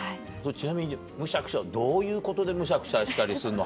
ちなみにむしゃくしゃどういうことでむしゃくしゃしたりすんの？